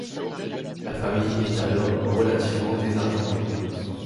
La famille est alors relativement désargentée.